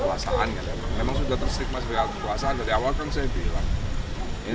kekuasaannya memang sudah terstigma sebagai alat alat kekuasaan dari awal kan saya bilang